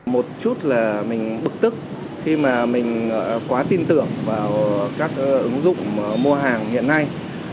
một chút là mình bực tức khi mà mình quá tin tưởng vào các ứng dụng mua hàng hiện nay